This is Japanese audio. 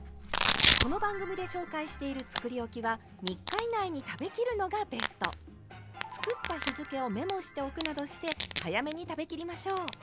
この番組で紹介しているつくりおきは３日以内に食べきるのがベスト。などして早めに食べきりましょう。